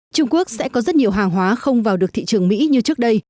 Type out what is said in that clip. trung quốc sẽ có rất nhiều hàng hóa không vào được thị trường mỹ như trước đây